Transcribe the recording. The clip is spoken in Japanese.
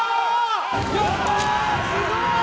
すごい！